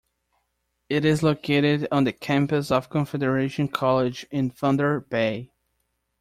It is located on the campus of Confederation College in Thunder Bay.